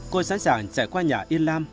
cô sẵn sàng chạy qua nhà yên lam